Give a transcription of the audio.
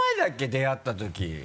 出会った時。